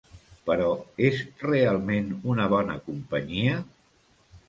Però, és realment una bona companyia?